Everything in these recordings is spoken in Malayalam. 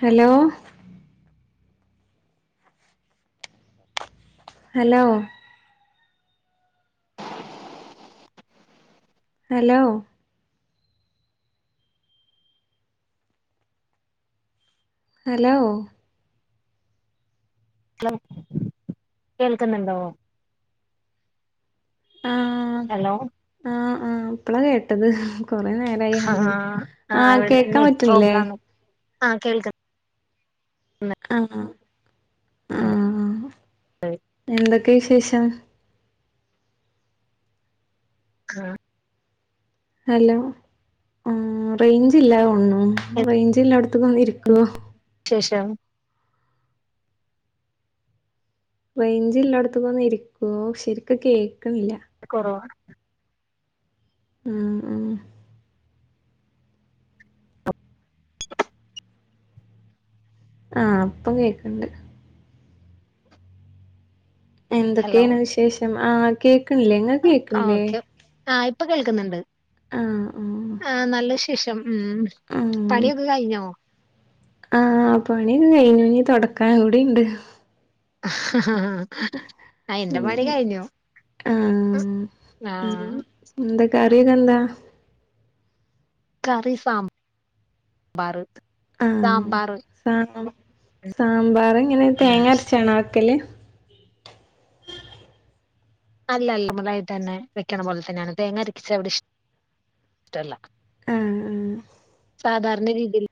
Hello hello hello hello hello കേൾക്കുന്നുണ്ടോ ഹലോ ഇപ്പള കേട്ടത് കൊറേ ആ നേരമായില്ആലോ ആഹ് കേക്കാൻ പറ്റുന്നില്ലേ ആഹ് കേൾക്കണ്ട് ആഹ് ആഹ് എന്തൊകെ ഒക്കെ വിശേഷം ആഹ് ഹലോ ആഹ് റേഞ്ച് ഇല്ല തോന്ന്ണു എന്ത് റേഞ്ച്ല്ല അടത്തേക്ക് രികു ശേഷം റേഞ്ച് ഇല്ലായിടത്ത് ഒന്ന് ഇരിക്കുവ ശരിക്കും കേൾക്കണില്ല കുറവാ ഉം ഉം ആഹ് ഇപ്പൊ കേക്കണ്ട് ഹലോ എന്തൊക്കെയാണ് വിശേഷം ആന് കേക്കണില്ലേ ഇങ്ങാക്ക് കേക്കില്ലേ ആഹ് ഇപ്പൊ കേൾക്കുന്നുണ്ട് ആഹ് ആഹ് ശേഷം ഉം ആഹ് പണിയൊക്കെ കഴിഞ്ഞോ ആഹ് പണിക്കെ കഴിഞ്ഞു ഇനി തൊടക്കാൻ കൂടിണ്ട് [unintelligible] ആഹ് എന്റെ ഉം പണി കഴിഞ്ഞു ആഹ് ആ എന്തൊക്കെ കറിക്കെന്താ കറി സാമ്പാർ ആഹ് സാമ്പാറെങ്ങനെ ഉം തേങ്ങ അരച്ചണ വേക്കല് അല്ല അല്ല മുതായിട്ട് തന്നെ വെക്കണ പോലെ തന്നെയാണ് തേങ്ങ അരച്ചെവിടെ ഇഷ് ഇഷ്ടല്ല ആഹ് ആഹ് സാധാരണ രീതിയിൽ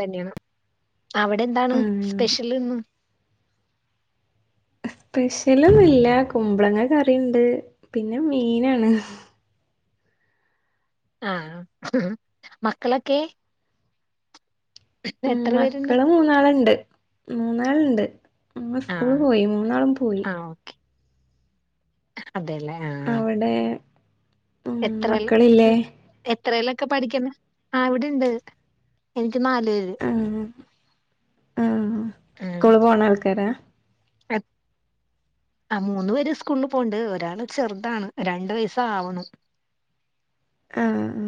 തന്നെയാണ് അവിടെ എന്താണ് ആഹ് സ്പെഷ്യലെന്നും [unintelligible] സ്പെഷ്യലൊന്നുല്ല കുമ്പളങ്ങ കറിയുണ്ട് പിന്നെ മീനാണ് ആഹ് മക്കളൊക്കെ ഉമ് എത്ര പേരുണ്ട് മക്കള് മൂന്നാളുണ്ട് മൂന്നാളുണ്ട് ഇന്ന് സ്കൂൾ ആഹ് പോയി മൂന്നാളും പോയി ആഹ് ഓക്കെ അതെല്ലേ ആഹ് അവിടെ ഉം എത്രല്ലോ മക്കളില്ലേ എത്രല്ലോക്കെ പഠിക്കണ് ആ ഇവിടിണ്ട് ആഹ് ആഹ് സ്കൂളി പോണ ആൾക്കാരാ [unintelligible] ആ മൂന്നു പേര് സ്കൂള് പോണ്ട് ഒരാള് ചെറുതാണ് രണ്ടു വയസ്സ് ആവുണു [inaudible] ആഹ്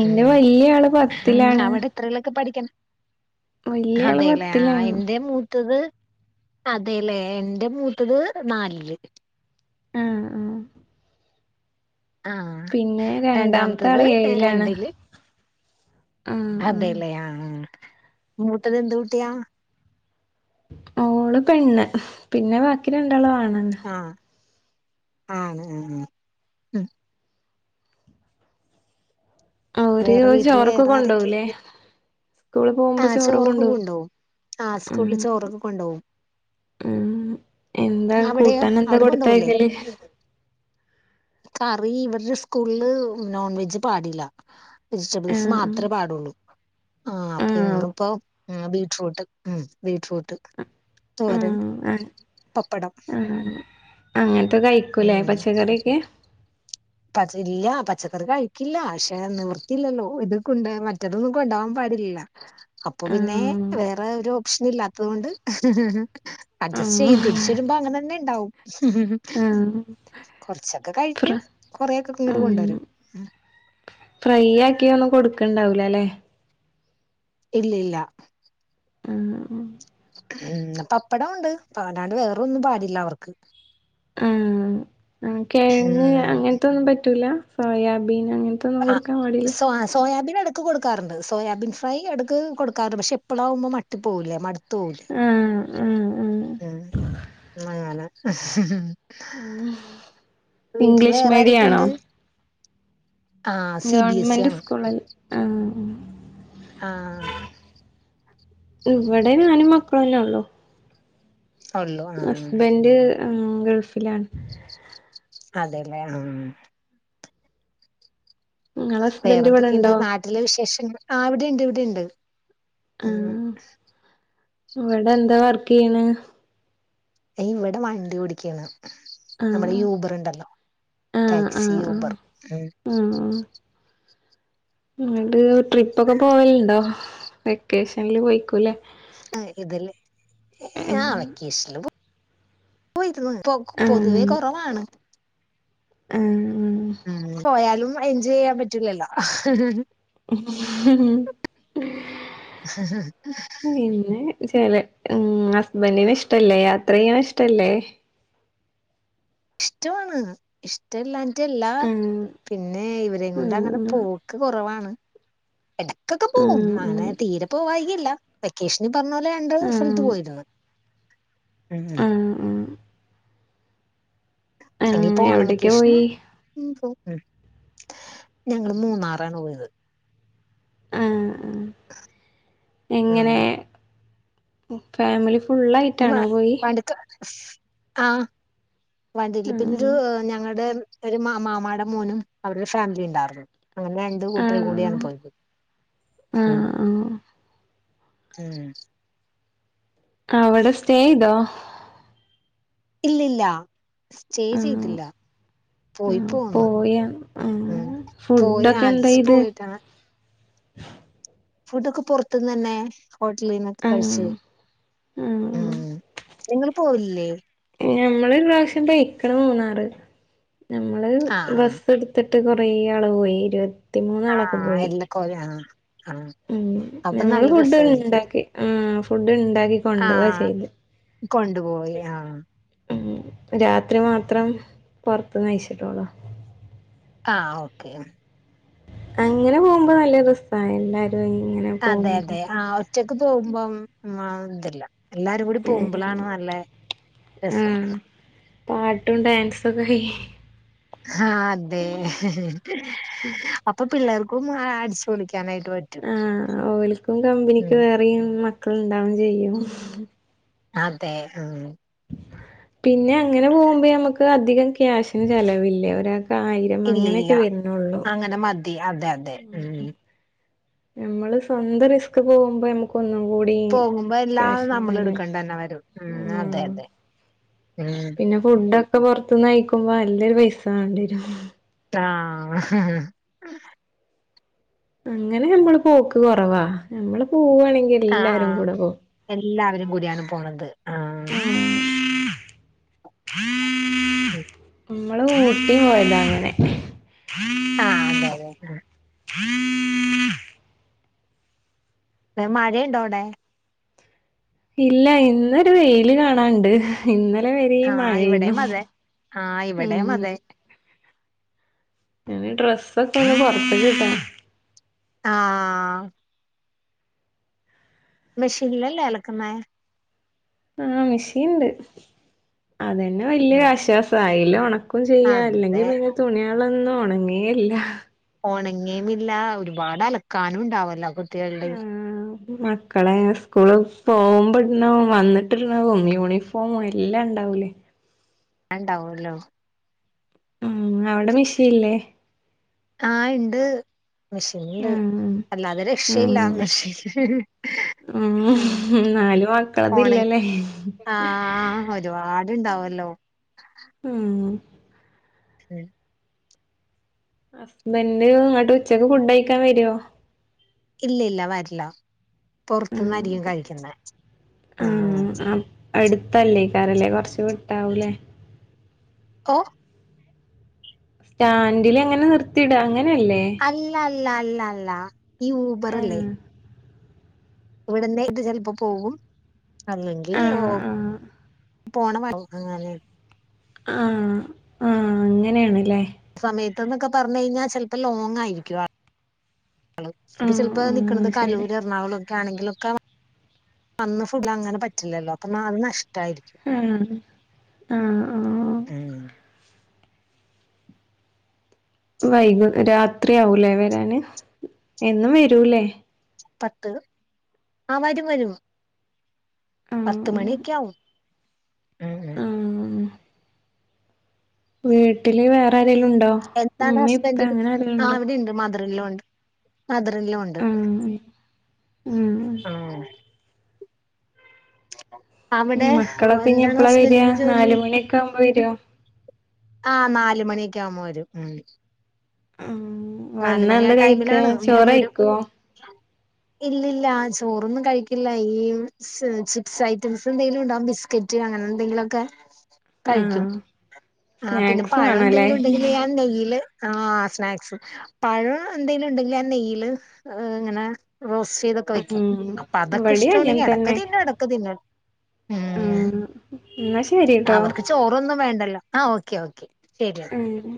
എന്റെ ഉം വല്യാആള് ഉം പത്തിലാണ് അവിടെ എത്രേലൊക്കെ പഠിക്കണെ വല്യ ആള് അതെല്ലേ ആഹ് പത്തിലാണ് എന്റെ മൂത്തത് അതെല്ലേ എൻ്റെ മൂത്തത് നാലില് ആഹ് ആഹ് ആഹ് പിന്നെ രണ്ടാമത്തെ രണ്ടാമത്തത് ആള് ഏഴിലാണ് രണ്ടില് ആഹ് ആഹ് അതെല്ലേ ആഹ് മൂത്തതെന്തു കുട്ടിയാ ഓള് പെണ്ണ് പിന്നെ ബാക്കി രണ്ടാളും ആണ് ആഹ് ആഹ് ഉമ് മ് ഒരു വേറെ വീട്ടില് ചോറൊക്കെ വേറെ കൊണ്ടോകുലേ ആരൊക്കെയുണ്ട് സ്കൂളിപോകുമ്പോ ആ ചോറ് ചോറൊക്കെ കൊുണ്ടോക്കും കൊണ്ടോവും ആ സ്കൂളില് ഉമ് ചോറൊക്കെ കൊണ്ടോവും ഉമ് എന്താ അവിടെയോ കൂട്ടാൻ ഒക്കെ അവിടെ കൊണ്ടോവൂലേ കൊടുത്തയക്കല് കറി ഇവരുടെ സ്കൂളില് നോൺവെജ് പാടില്ല വെജിറ്റബിൾസ് ആഹ് മാത്രെ പാടുള്ളൂ ആഹ് അപ്പ ഇന്നിപ്പോ ബീട്രൂട്ട് ഉമ് ബീട്രൂ ട്ട് തോരൻ ആഹ് ആഹ് പപ്പടം ആ അങ്ങനത്തെ കഴിക്കൂലേ ഉം പച്ചക്കറിയൊക്കെ പച്ച ഇല്ല പച്ചക്കറി കഴിക്കില്ല പക്ഷെ നിവർത്തിയില്ലല്ലോ ഇത് കൊണ്ട് മറ്റെതൊന്നും കൊണ്ടൊവാൻ പാടില്ല അപ്പൊ പിന്നെ ആഹ് വേറെ ഒരു ഓപ്ഷൻ ഇല്ലാത്തതുകൊണ്ട് അഡ്ജസ് ആഹ് ചെയ്യും തിരിച്ചു വരുമ്പോ അങ്ങനെ തന്നെ ഇണ്ടാവും ആഹ് കൊറച്ചൊക്കെ ഫ്ര കഴിക്കും കൊറെയൊക്കെ ഇങ്ങട് ഉം കൊണ്ടുവരും ഫ്രൈ ആക്കിയ ഒന്നും കൊടുക്കെണ്ടാവൂലല്ലേ ഇല്ല ഇല്ല ഉമ് ഉമ് പപ്പടവൊണ്ട് പല്ലാണ്ട് വേറൊന്നും പാടില്ല അവർക്ക് ആഹ് കിഴങ്ങ് ഉം അങ്ങനത്തൊന്നും പറ്റൂല സോയാബീൻ അങ്ങനത്തൊന്നും ആഹ് കൊടുക്കാൻ പാടില്ല സോ സോയാബീ ഇടക്ക് കൊടുക്കാറുണ്ട് സോയാബീൻ ഫ്രൈ എടക്ക് കൊടുക്കാറു പക്ഷെ എപ്പോഴാകുമ്പോ മട്ടി പോപുല്ലെ മടു- തോല് ആഹ് ആഹ് ആഹ് മ് അങ്ങനെ ഉമ് വീട്ടിൽ ഇംഗ്ലീഷ് വേറെ മീഡിയണോ ആരൊക്കെയുണ്ട് ആ C B S E government സ്കൂളൽ ആണ് ആഹ് ഇവിടെ ഞാനും മക്കള് ഒള്ളു ഉള്ളു ആഹ ഗൾഫിലാണ് അതെല്ലേ ആ ആഹ് നിങ്ങളെ വേറെ ഹസ്ബൻഡ് ഇവിടെ എന്തൊക്കെയുണ്ട് ഉണ്ടോ നാട്ടിലെ വിശേഷങ്ങ ആ ഇവിടെയണ്ട് ഇവിടെുണ്ട് ആഹ ആഹ് ഇവിടെ എന്താ വർക്ക് ചെയ്യണ് ദേ ഇവിടെ വണ്ടി ഓടിക്കയാണ് നമ്മുടെ ആഹ് യൂബർുണ്ടല്ലോ ആഹ് ടാക്സി ആഹ് ആഹ് ഊബർ ഉ ഇിട്ട് ട്രിപ്പൊക്കെ പോവലുണ്ടോ വെക്കേഷനിൽ പോയിക്കൂല്ലേ ആ ഇതില് ഏ ആ ആഹ് വെക്കേഷൽ പോ പൊ പൊതുവെ കുറവാണ് ആഹ പോയാലും എൻജോയ് ചെയ്യാൻ പറ്റൂലല്ലോ പിന്നെ [unintelligible] ഹസ്ബൻഡും ഇഷ്ടല്ലേ യാത്ര ചെയ്യാന ഇഷ്ടല്ലേ ഇഷ്ടാണ് ഇഷ്ടമല്ലാറ്റല്ലാ ആഹ് പിന്നെ ഇവര കൊണ്ട് അങ്ങനെ ആഹ് പോൂക്ക് കുറവാണ് ഇടക്കൊക്കെ ആഹ് പോകും ആഹ് അങ്ങനെ തീരെ പോകമായികല്ല വെക്കേഷനി പറഞ്ഞ പോലെ രണ്ട സ്ഥലത്ത് ആഹ് പോയിരരുന്നു ഉം ആഹ് ആഹ് ഇനി പോ ആഹ് ആാണ് എവിടേക്കാ മകേഷ്ന പോയി ഉ പോ ഉ ഞങ്ങള് മൂന്നാറാണ് പോയത് ആ എങ്ങനെ ഉം ഫാമിലി വ ഫുള്ളായിട്ടാണോ പോയി വടുക്ക ആ വണ്ടില്ല ആഹ് പിന്നെരു ഞങ്ങടെ ഒരു മാ മാമാടെ മോനും അവരുടെ ഫാമിലി ഉണ്ടാർന്നു അങ്ങനെ രണ്ട് കൂട്ടര ആഹ് കൂടിയാണ് പോയത് ഉ ആഹ് ഹം ആ അവിടെ സ്റ്റേ ഇതോ ഇല്ലില്ല സ്റ്റേ ആഹ് ചെയ്തില്ല പോയി ആഹ് പോന്ന് പോയ ഉം ആഹ് പോയി ഫുഡൊക്കെ അജച്ച് എന്തായത് പോയിട്ടാണ് ഫുഡൊക്കെ പുറത്തുന്ന് തന്നെ ഹോട്ടലന്നക്ക ആഹ് കഴിിച്ചു ഉ ആഹ് ങ്ങള്ൾ പോയില്ലേ ഞമ്മള് പ്രാവശ്യം തയിക്കണ മൂന്നാറ് നമ്മള് ആ ബസ് എടുത്തിട്ട് ത്ത് കുറ ആള് പോയി ഇരുപ ആഹ എല്ല കൊറേ ആഹ ആഹ ഉ ഞമ്മള് ഫുഡ് ഉണ്ടാക്കി ആ ഫുഡ് ഉണ്ടാക്കി ആ കൊണ്ട പോവാ ചെയ്ത് കൊണ്ടുപോയി ആഹ ഉം രാത്രി മാത്രം പൊറത്ത് കയിച്ചിട്ടോളോ ആഹ ഓക്കെ അങ്ങനെ പോകുമ്പോ നല്ല രസ എല്ലാരക്കും അതെ അതെ ആ ഒച്ചക്ക് പോകുമ്പോം മം ഇതില്ല എല്ലാരും കൂടി ഏഹ് പോകുമ്പോളാണ് നല്ല രസം ആഹ് പാട്ടും ഡാൻസൊക്കെ ക ആഹ അതെ അപ്പൊ പിള്ളേർക്കും അടിച്ചുപൊളിക്ക ആഹ ഓൽക്കും കമ്പനിക്കും ഉം വേറെ മക്കൾ ഇണ്ടാവും ചെയ്യും അതെ ഉം പിന്നെ അങ്ങനെ പോകുമ്പോ നമുക്ക് അധികം ക്യാഷിന് ചെലവില്ലേ ഒരാ ആയിരം ഇല്ല ഇല്ല അങ്ങനെയൊക്കെ വരരുന്നുള്ളൂ അങ്ങനെ അതെ മതി അതെ ഉ നമ്മള് സ്വന്തം റിസ്ക് പോകുമ്പോ നമുക്ക് ഒന്നും കൂടി പോകുമ്പോ എല്ലാം നമ്മൾ ക്യാഷന്നല്ലേ എടുക്കണ്ട തന്നെ വരും ഉം ആ അതെ അതെ ഉം പിന്നെ ഫുഡൊക്കെ പൊറത്തുന്ന് കയിക്കുമ്പോ നല്ലരു പൈസ വാണ്ട്യരും ആഹ അങ്ങനെ നമ്മള് പോക്ക് കൊറവാ നമ്മള് പോവാ ണെങ്കി ആ ആ എല്ലാരും കൂടെ പോവും എല്ലാവരും കൂടിയാണ് പോണത് ആ ഉം ങ്ങള് ഊട്ടി പോയതാ അങ്ങനെ ആ അതെ അതെ ഉം മയേ ണ്ടോ അവടെ ഇല്ല ഇന്നൊരു വെയില് കാണാണ്ട് ഇന്ന് ന്നലെ വരെ ആ മഴേന്നു ഇവിടെയും അതെ ആ ഇവിടെയും മ് അതെ ഞ്ഞ് ഡ്രസ്സൊക്കെ ന്ന് പുറത്ത് ക് ട്ടാ ആ മെഷീൻ ലല്ലേ അലക്കുന്നെ മ് മിഷീണ്ട് അതന്നെ വല്യര് ആശ്വാസാ ആയില് ഒണക്കും ക്കും ചെയ്യാ അല്ലെങ്കി അതെ പിന്നെ തുണിയാളൊന്നും ഒണങ്ങേല്ല ഓണങ്ങേ മില്ല ഒരുപാട് അലക്കാനും ഉണ്ടാവല്ലോ കുട്ടികളുടെ ആ മക്കളെ സ്കൂള് പോവുമ്പൊ ഇട് ണേ വന്നിട്ട് ട്ണതും യൂണിഫോമും എല്ലാം ഉണ്ടാവൂലേ ഇണ്ടാവല്ലോ ഉം അവിടെ മിഷീ ല്ലേ ആ ഇണ്ട് മെഷീൻണ്ട് ഉം അല്ലാതെ ഉം രക്ഷയില്ല മെഷീന് ഉം നാല് മക്കളതില്ല ലേ ആഹ് ഒരുപാടുണ്ടാവല്ലോ മ് [unintelligible] ഹസ്ബൻഡ് ങ്ങട്ട് ഉച്ചക്ക് ഫുഡ് യി ക്കാൻ വരോ ഇല്ല ല്ല വരില്ല ഉം പൊറത്ത്ന്നായിരിക്കും കഴിക്കുന്നെ ആ അടുത്തല്ലേ കാരല്ലേ കൊറച്ച് വിട്ടാവൂലേ ഓ സ്റ്റാൻഡില് ങ്ങനെ നിർത്തിടാ അല്ല ല്ല ല്ല ല്ല ഈ ഊബറ്ല്ലേ ആഹ് ഇവിട്ന്ന് ഇത് ചൽപ്പം പോക്കും അല്ലെങ്കി ഓ ആഹ് ആഹ് പോണ [inaudible] അങ്ങനെ ണ് ആ ആ അങ്ങനെണ്ല്ലേ സമയത്ത്ന്നൊക്കെ പറഞ്ഞ്കഴിഞ്ഞാ ചൽപ്പോ ലോങ്ങ് ആയിരിക്കും ഇത് ആഹ് ചലപ്പോ നിക്ക്ണത് ആഹ് ശരി കലൂര് എറണാകുളം ക്കാണെങ്കിലെ ക്കെ വന്ന് ഫുഡ് അങ്ങനെ പറ്റില്ലല്ലോ പ്പോ നാ നഷ് ആ ആആ ഉം വൈകും രാത്രിയാവൂലേ വരാന് എന്നും വരൂലേ പത്ത് ആ വരും വരും പത്ത് മണിക്കെയാവും ആ ആ വീട്ടില് വേറെ ആരെങ്കിലും ഉണ്ടോ എന്താണ് ഉമ്മീ ഇപ്പ ഹസ്ബൻഡിന് അങ്ങനെ ആ ആരെങ്കിലുണ്ടോ അവിടെ ഉണ്ട് മദർ ലോ ണ്ട് മദർ ഇൻ ലോ ഇണ്ട് ആഹ് ഉം ആ അവിടെ മക്കളൊക്കെ ഇനി എന്താണ് എപ്പളാ വരാ ഹസ്ബൻഡിന് ജോലി നാല് മണിയൊക്കെ ആവുമ്പോ വരോ? ആ നാല് മണിയൊക്കെ ആവുമ്പോ വരും ഉം ആഹ് നാല് വന്നാ മണി ആ എന്താ കഴിക്കാ ടൈമിലാണ് ചോറ് മൂന്നെ രു കഴിക്കോ ഇല്ലല്ല ചോറൊന്നും കഴിക്കില്ല ഈ ച് ചിപ്സ് ഐറ്റംസ് എന്തെലും ഇണ്ടാവും ബിസ് കെറ്റ് അങ്ങനെന്തെങ്കിലൊക്കെ കഴിക്കും ആഹ് ആ പിന്നെ സ്നാക്സ് പഴം വേണല്ലേ എന്തെങ്കിലും ഉണ്ടെങ്കില് ആ നെയ്യി ല് ആ സ്നാക്സ് പഴം എന്തെലും ഉണ്ടെങ്കില് ആ നെയ്യില് ഇങ്ങനെ റോസ്റ്റ് ചെയ്തൊക്കെ വെക്കും ഉം അപ്പ അതൊക്കെ ഇവിടേം ഇഷ്ടണ്ടെങ്കി അതെക്കെ തിന്നും എടക്ക് തിന്നാ ഉം ഇന്നാ ശരിട്ടോ അവർക്ക് ചോറൊന്നും വേണ്ടല്ലോ ആ ഓക്കെ ഓക്കെ ശരി മ്